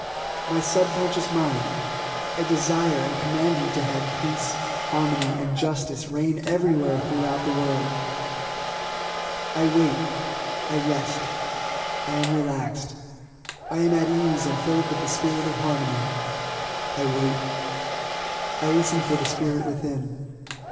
"My Subconscious Mind, I desire and command you to have peace, harmony and justice reign everywhere throughout the world." I wait I rest I am relaxed I am at ease and filled with the spirit of harmony. I wait. I listen for the spirit within.